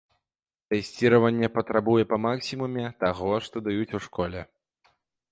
Тэсціраванне патрабуе па максімуме таго, што даюць у школе.